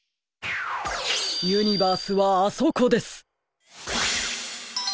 ユニバースはあそこです！